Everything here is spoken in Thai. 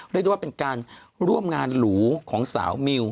ได้ยูว่าเป็นการร่วมงานหลู่ของสาวมิว